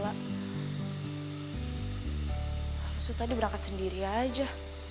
lalu tadi berangkat sendiri aja